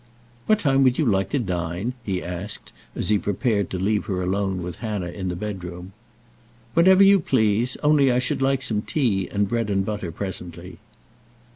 "What time would you like to dine?" he asked, as he prepared to leave her alone with Hannah in the bedroom. "Whenever you please; only I should like some tea and bread and butter presently."